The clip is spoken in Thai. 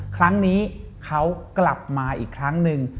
ครั้งนี้เขากลับมาอีกครั้งหนึ่ง